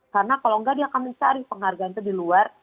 karena kalau tidak dia akan mencari penghargaan itu di luar